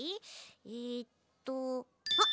えっとあっ